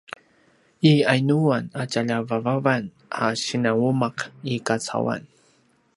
i yainuan a tjalja vavavan a sinanumaq i kacauan?